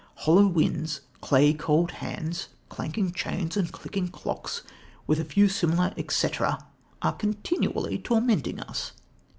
Hollow winds, clay cold hands, clanking chains and clicking clocks, with a few similar etcetera are continually tormenting us."